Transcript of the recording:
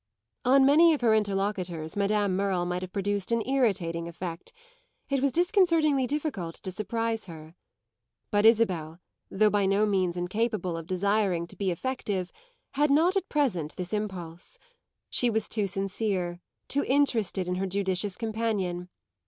On many of her interlocutors Madame Merle might have produced an irritating effect; it was disconcertingly difficult to surprise her. But Isabel, though by no means incapable of desiring to be effective, had not at present this impulse. She was too sincere, too interested in her judicious companion.